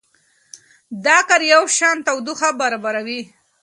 دا کار یوشان تودوخه برابروي.